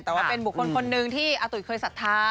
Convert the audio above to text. แต่ว่าเป็นบุคคลคนหนึ่งที่อาตุ๋ยเคยศรัทธา